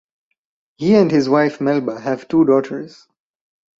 He and his wife Melba have two daughters.